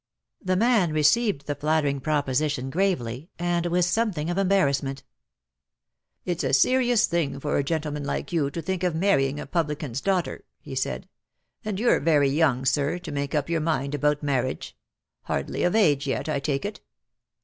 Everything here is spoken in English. The man received the flattering proposition gravely, and with something of embarrassment. "It's a serious thing for a gentleman like you to think of marrying a publican's daughter," he said, "and you're very young, sir, to make up your mind about marriage: hardly of age yet, I take it."